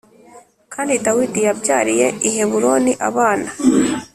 Kandi Dawidi yabyariye i Heburoni abana